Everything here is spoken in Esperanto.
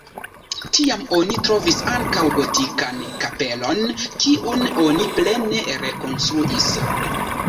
Tiam oni trovis ankaŭ gotikan kapelon, kiun oni plene rekonstruis.